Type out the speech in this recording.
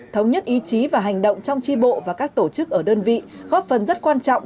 thống nhất ý chí và hành động trong tri bộ và các tổ chức ở đơn vị góp phần rất quan trọng